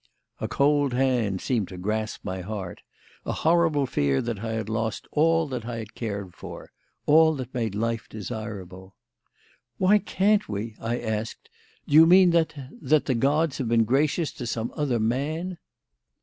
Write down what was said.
A cold hand seemed to grasp my heart a horrible fear that I had lost all that I cared for all that made life desirable. "Why can't we?" I asked. "Do you mean that that the gods have been gracious to some other man?"